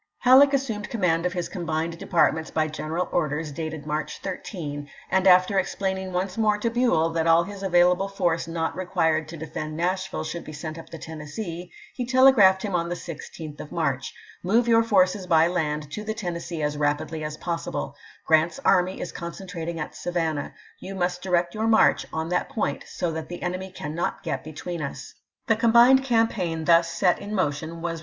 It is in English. Halleck assumed command of his combined de voi. x.. Part II. partments by general orders dated March 13, and p. 613."' after explaining once more to Buell that all his •available force not required to defend Nashville should be sent up the Tennessee, he telegraphed him on the 16th of March :" Move your forces by Haueck land to the Tennessee as rapidly as possible. .. Marc^^ie, Grant's army is concentrating at Savannah. You voi. x., " must direct your march on that point so that the p. 42. ' enemy cannot get between us." The combined campaign thus set in motion was